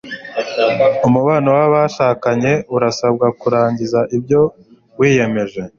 Umubano wabashakanye urasabwa kurangiza ibyo wiyemeje